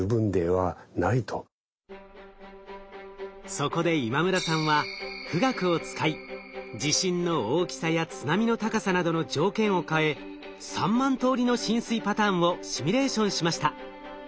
そこで今村さんは富岳を使い地震の大きさや津波の高さなどの条件を変え３万通りの浸水パターンをシミュレーションしました。